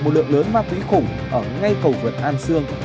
một lượng lớn ma túy khủng ở ngay cầu vượt an sương